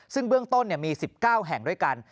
ซึ่งเบื้องต้นมี๑๙แห่งด้วยกัน